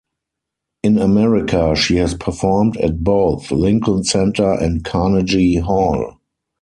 In America, she has performed at both Lincoln Center and Carnegie Hall.